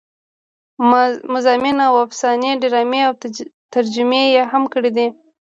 مضامين او افسانې ډرامې او ترجمې يې هم کړې دي